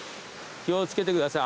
気を付けてください。